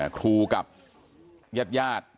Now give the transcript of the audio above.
คลูกลับเยาบญาติที่บุ่ง